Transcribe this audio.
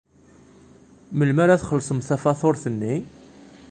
Melmi ara txellṣemt tafatuṛt-nni?